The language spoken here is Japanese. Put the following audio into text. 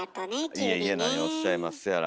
いえいえ何をおっしゃいますやら。